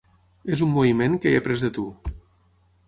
És un moviment que he après de tu.